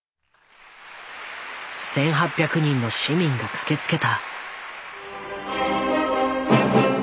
１，８００人の市民が駆けつけた。